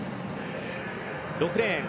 ６レーン